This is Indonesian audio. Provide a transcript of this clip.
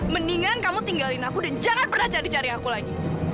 mendingan kamu tinggalin aku dan jangan pernah cari aku lagi